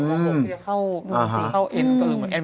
โอ้โหอะไรอ่ะอืมอืม